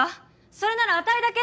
それならあたいだけ。